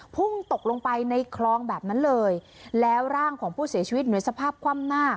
พุ่งตกลงไปในคลองแบบนั้นเลยแล้วร่างของผู้เสียชีวิตอยู่ในสภาพคว่ำหน้า